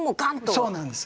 そうなんです。